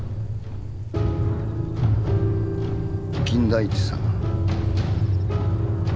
金田一さん